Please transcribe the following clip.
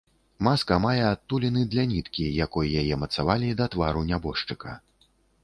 Маска мае адтуліны для ніткі, якой яе мацавалі да твару нябожчыка.